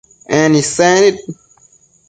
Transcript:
En isec nid